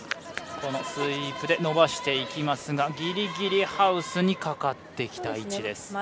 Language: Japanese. スイープで伸ばしますがギリギリハウスにかかってきた位置です。